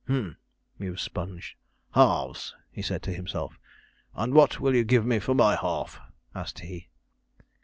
'Humph,' mused Sponge: 'halves,' said he to himself. 'And what will you give me for my half?' asked he.